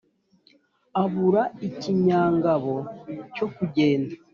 abura ikinyangabo cyo kugenda